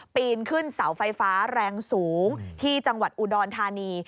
ปีนขึ้นเสาไฟฟ้าแรงสูงที่จังหวัดอุดรธานี